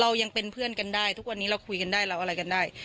ยังเป็นเพื่อนกันได้ทุกวันนี้เราคุยกันได้เราอะไรกันได้